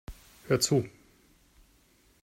Hör zu!